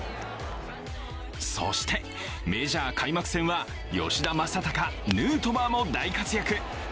そして、メジャー開幕戦は、吉田正尚、ヌートバーも大活躍。